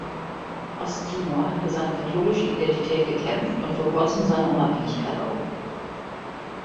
Osttimor hat für seine katholische Identität gekämpft und vor kurzem seine Unabhängigkeit errungen.